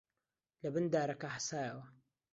لەبن دارەکە حەسایەوە